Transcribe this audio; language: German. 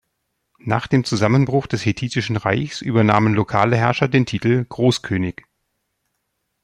Nach dem Zusammenbruch des Hethitischen Reichs übernahmen lokale Herrscher den Titel "Großkönig".